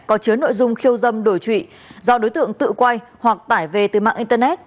có chứa nội dung khiêu dâm đổi trụy do đối tượng tự quay hoặc tải về từ mạng internet